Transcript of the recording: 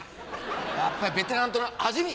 やっぱりベテランと味見！